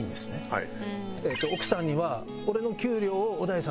はい。